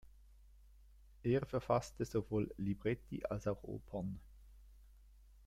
Er verfasste sowohl Libretti als auch Opern.